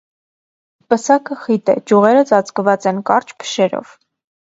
Պսակը խիտ է, ճյուղերը ծածկված են կարճ փշերով։